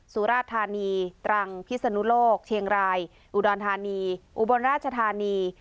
สุราธานีตรังพิศนุโลกเชียงรายอุดรธานีอุบลราชธานี